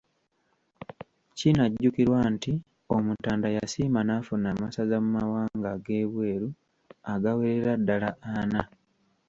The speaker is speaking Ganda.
Kinajjukirwa nti Omutanda yasiima n’afuna amasaza mu mawanga ageebweru agawerera ddala ana.